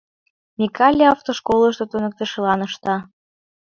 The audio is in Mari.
Микале автошколышто туныктышылан ышта.